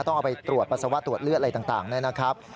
ต้องเอาไปตรวจปัสสาวะตรวจเลือดอะไรต่างนะครับ